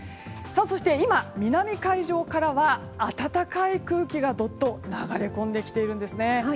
そして今、南海上からは暖かい空気がどっと流れ込んできているんですね。